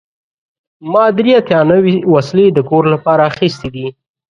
ما درې اتیا نوې وسیلې د کور لپاره اخیستې دي.